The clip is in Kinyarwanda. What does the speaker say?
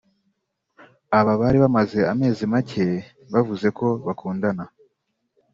Aba bari bamaze amezi make bavuze ko bakundana